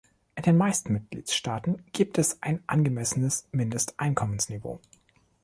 In den meisten Mitgliedstaaten gibt es ein angemessenes Mindesteinkommensniveau.